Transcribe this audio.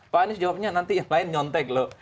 pak anies jawabnya nanti yang lain nyontek loh